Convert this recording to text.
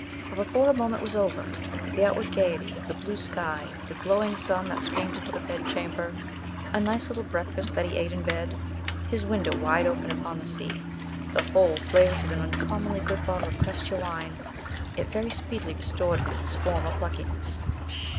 But, before a moment was over, the outward gaiety, the blue sky, the glowing sun that streamed into the bedchamber, a nice little breakfast that he ate in bed, his window wide open upon the sea, the whole flavoured with an uncommonly good bottle of Crescia wine it very speedily restored him his former pluckiness.